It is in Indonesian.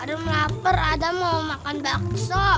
adam lapar ada mau makan bakso